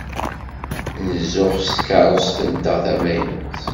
Nzuxx s tkeṛṛust-nteɣ tamaynut.